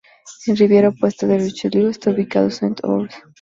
En ribera opuesta del Richelieu está ubicado Saint-Ours.